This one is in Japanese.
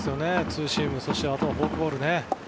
ツーシームそしてフォークボールね。